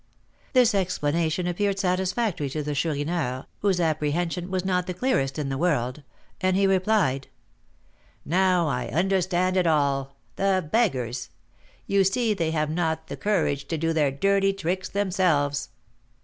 This explanation appeared satisfactory to the Chourineur, whose apprehension was not the clearest in the world, and he replied: "Now I understand it all. The beggars! you see they have not the courage to do their dirty tricks themselves.